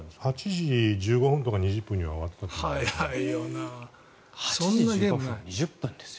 ８時１５分とか２０分には終わったと思います。